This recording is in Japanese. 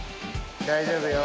大丈夫よ。